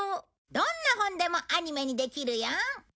どんな本でもアニメにできるよ。